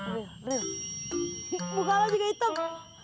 muka lu juga hitam